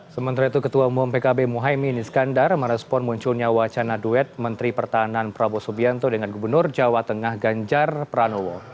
sementara itu ketua umum pkb mohaimin iskandar merespon munculnya wacana duet menteri pertahanan prabowo subianto dengan gubernur jawa tengah ganjar pranowo